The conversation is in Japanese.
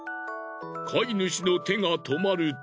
飼い主の手が止まると。